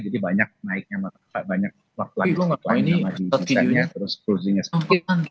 jadi banyak naiknya banyak workline